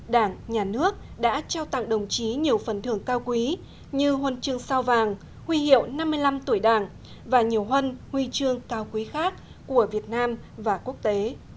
đảng nhà nước đã trao tặng đồng chí nhiều phần thưởng cao quý như huân chương sao vàng huy hiệu năm mươi năm tuổi đảng và nhiều huân huy chương cao quý khác của việt nam và quốc tế